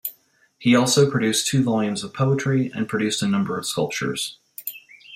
He also published two volumes of poetry and produced a number of sculptures.